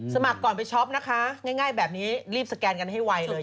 สมัครก่อนไปช็อปนะคะง่ายแบบนี้รีบสแกนกันให้ไวเลย